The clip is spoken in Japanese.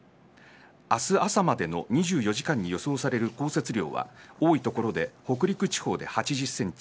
明日、朝までの２４時間に予想される降雪量は多い所で北陸地方で８０センチ